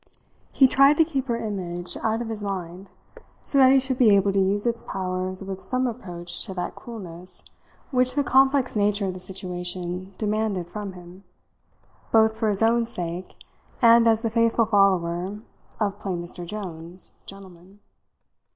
He tried to keep her image out of his mind so that he should be able to use its powers with some approach to that coolness which the complex nature of the situation demanded from him, both for his own sake and as the faithful follower of plain Mr. Jones, gentleman.